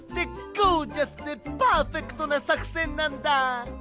ゴージャスでパーフェクトなさくせんなんだ！